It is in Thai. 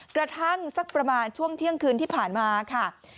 กระทั่งสักประมาณช่วงเที่ยงคืนที่ผ่านมาค่ะ